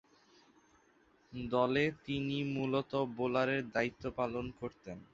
দলে তিনি মূলতঃ বোলারের দায়িত্ব পালন করতেন।